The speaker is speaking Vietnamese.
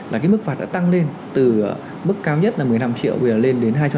là cái mức phạt đã tăng lên từ mức cao nhất là một mươi năm triệu về lên đến hai triệu